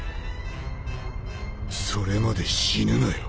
それまで死ぬなよ。